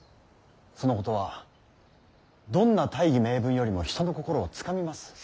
そのことはどんな大義名分よりも人の心をつかみます。